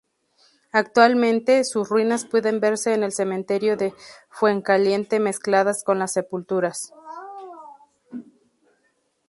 Actualmente, sus ruinas pueden verse en el cementerio de Fuencaliente mezcladas con las sepulturas.